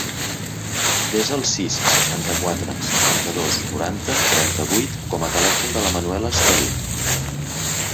Desa el sis, seixanta-quatre, seixanta-dos, noranta, trenta-vuit com a telèfon de la Manuela Esteller.